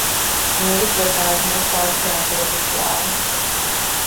When it is vocalised, most scholars pronounce it as a schwa.